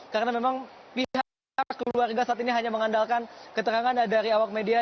karena memang pihak keluarga saat ini hanya mengandalkan keterangan dari awak media